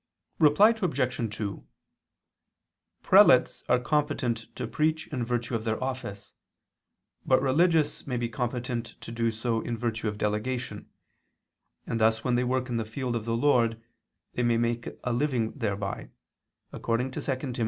Reply Obj. 2: Prelates are competent to preach in virtue of their office, but religious may be competent to do so in virtue of delegation; and thus when they work in the field of the Lord, they may make their living thereby, according to 2 Tim.